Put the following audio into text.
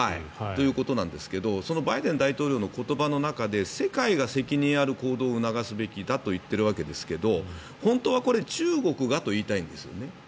ということなんですけどバイデン大統領の言葉の中で世界が責任ある行動を促すべきだと言っているわけですが本当は中国がと言いたいんですよね。